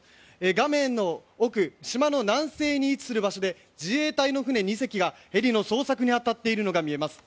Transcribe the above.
画面の奥島の南西に位置する場所で自衛隊の船２隻がヘリの捜索に当たっているのが見えます。